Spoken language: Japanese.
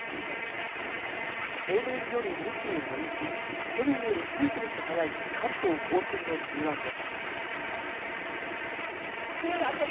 平年より２２日、去年より１９日早い関東甲信の梅雨明け。